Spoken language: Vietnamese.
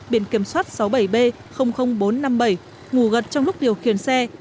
biển kiểm soát sáu mươi bảy b bốn trăm năm mươi bảy ngủ gật trong lúc điều khiển xe